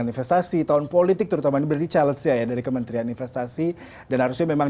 investasi tahun politik terutama beri calon saya dari kementerian investasi dan harusnya memang